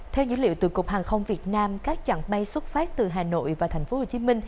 theo dữ liệu từ cục hàng không việt nam các chặng bay xuất phát từ hà nội và tp hcm